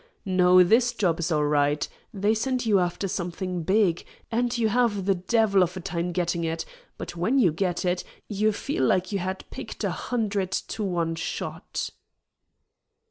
No, this job is all right. They send you after something big, and you have the devil of a time getting it, but when you get it, you feel like you had picked a hundred to one shot."